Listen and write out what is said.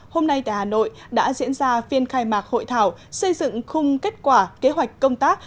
hôm nay tại hà nội đã diễn ra phiên khai mạc hội thảo xây dựng khung kết quả kế hoạch công tác